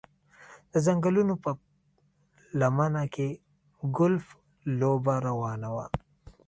د ځنګلونو په لمنه کې ګلف لوبه روانه وه